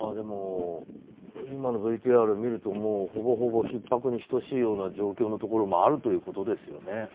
今のＶＴＲを見るともう、ほぼほぼひっ迫に等しい状況のところもあるということですよね。